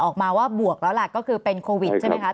ออกมาว่าบวกแล้วคือโควิดใช่ไหมครับ